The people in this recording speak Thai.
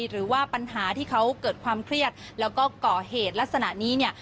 หรือว่าปัญหาที่เขาเกิดความเครียดแล้วก็ก่อเหตุลักษณะนี้เนี่ย